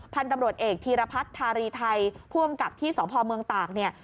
พันธุ์ตำรวจเอกธีรพัฒน์ธารีไทยผู้อำกับที่สพเมืองตากเนี่ย